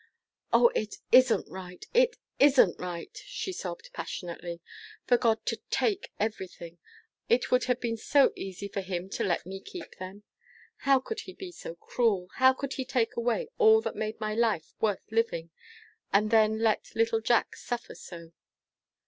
"O, it isn't right! It isn't right," she sobbed, passionately, "for God to take everything! It would have been so easy for him to let me keep them. How could he be so cruel? How could he take away all that made my life worth living, and then let little Jack suffer so?"